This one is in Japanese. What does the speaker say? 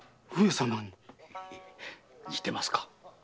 似てますか？